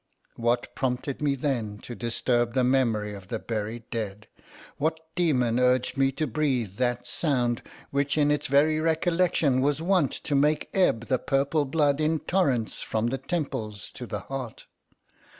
What prompted me then to disturb the memory of the buried dead? What demon urged me to breathe that sound, which in its very recollection was wont to make ebb the purple blood in torrents from the temples to the heart?